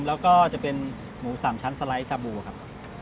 แล้วก็จะเป็นหมู๓ชั้นสไลด์ชาบูครับ